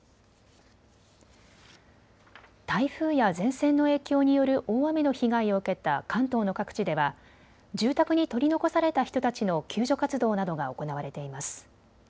台風や前線の影響による大雨の被害を受けた関東の各地では住宅に取り残された人たちの救助活動などが行われています。